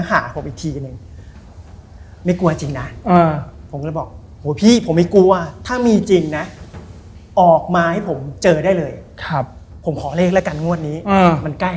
แก้วเล็กที่เขาใส่ไว้